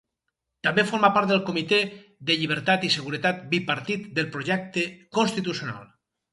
També forma part del Comitè de Llibertat i Seguretat bipartit del Projecte Constitucional.